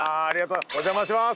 お邪魔します。